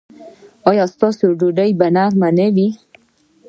ایا ستاسو ډوډۍ به نرمه نه وي؟